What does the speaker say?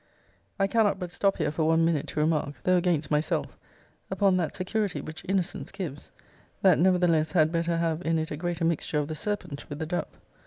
I cannot but stop here for one minute to remark, though against myself, upon that security which innocence gives, that nevertheless had better have in it a greater mixture of the serpent with the dove.